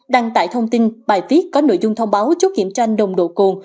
đăng tải thông tin bài viết có nội dung thông báo chốt kiểm tra nồng độ cồn